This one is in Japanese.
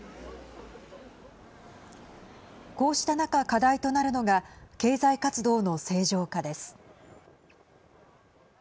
こうした中、課題となるのが経済活動の正常化です。